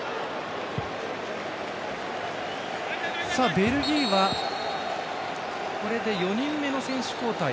ベルギーはこれで４人目の選手交代。